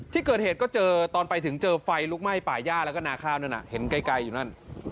ที่เกิดเหตุก็เจอตอนไปถึงเจอไฟลุกไหม้ป่าย่าแล้วก็นาข้าวนั่นน่ะเห็นไกลอยู่นั่น